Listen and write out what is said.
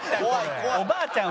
おばあちゃん